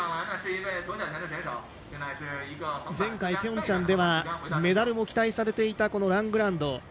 前回ピョンチャンではメダルも期待されていたラングランド。